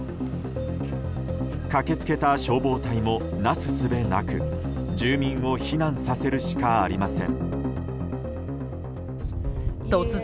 駆け付けた消防隊もなすすべなく住民を避難させるしかありません。